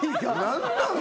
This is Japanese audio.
何なん？